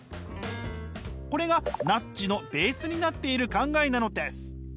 これがナッジのベースになっている考えなのです。